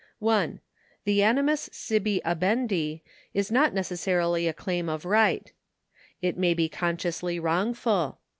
1. The animus sibi habendi is not necessarily a claim of right. It may be consciously wrongful.